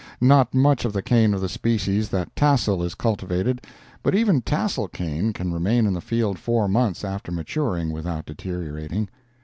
Not much of the cane of the species that tassel is cultivated, but even tassel cane can remain in the field four months after maturing without deteriorating.